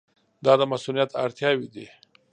دا د مصونیت اړتیاوې دي.